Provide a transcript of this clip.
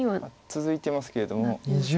続いてますけれども。